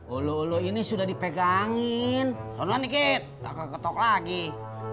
olo ini sudah dipegangin doang dikit langsung ini